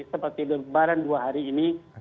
seperti lebaran dua hari ini